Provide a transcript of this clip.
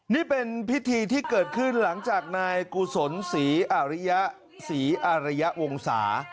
นี่เป็นพิธีที่เกิดขึ้นหลังจากนายกุศลศรีอาริยะศรีอารยะวงศา